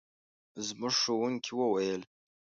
زموږ ښوونکي وویل.